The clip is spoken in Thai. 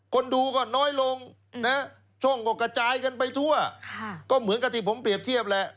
คนดูก็น้อยลงนะช่องก็กระจายกันไปทั่วก็เหมือนกับที่ผมเปรียบเทียบแหละ